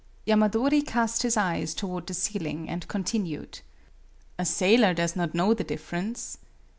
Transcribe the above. Yamadori cast his eyes toward the ceiling, and continued: " A sailor does not know the difference.